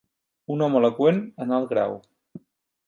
Un home eloqüent en alt grau.